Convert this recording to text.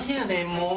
もう！